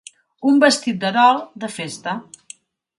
Un vestit de dol, de festa.